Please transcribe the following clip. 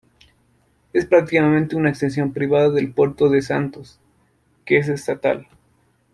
Es prácticamente una extensión privada del Puerto de Santos, que es estatal.